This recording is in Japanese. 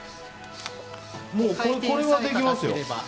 これはできますよ。